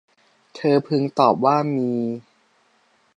เธอพึงตอบว่า มี